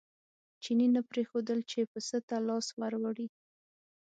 چیني نه پرېښودل چې پسه ته لاس ور وړي.